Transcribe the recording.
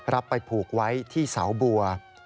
รับไปผูกไว้ที่เสาบัว